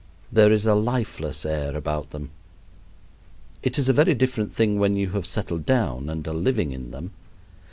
There is a lifeless air about them. It is a very different thing when you have settled down and are living in them.